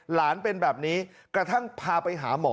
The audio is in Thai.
หลานเป็นแบบนี้กระทั่งพาไปหาหมอ